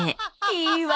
いいわ！